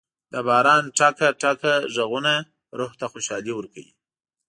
د باران ټېکه ټېکه ږغونه روح ته خوشالي ورکوي.